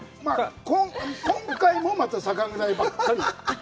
今回も酒蔵ばっかり。